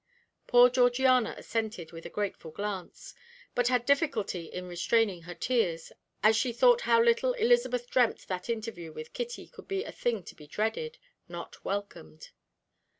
Poor Georgiana assented with a grateful glance, but had difficulty in restraining her tears, as she thought how little Elizabeth dreamt that interview with Kitty could be a thing to be dreaded, not welcomed.